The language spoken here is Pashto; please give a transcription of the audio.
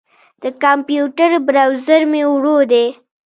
د کمپیوټر بروزر مې ورو دی.